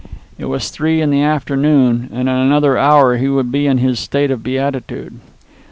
It was three in the afternoon, and in another hour he would be in his state of beatitude.